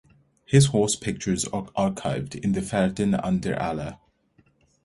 His horse pictures are archived in the in Verden an der Aller.